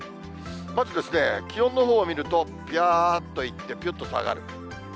まず、気温のほうを見ると、びゃーっといってぴゅっと下がる。